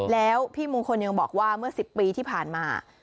แล้วพี่มงคลยังบอกว่าเมื่อ๑๐ปีที่ผ่านมา